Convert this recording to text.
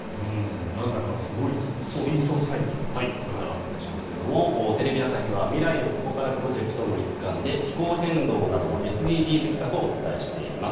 これからお伝えしますがテレビ朝日は未来をここからプロジェクトの一環で気候変動などのＳＤＧｓ企画をお伝えしています。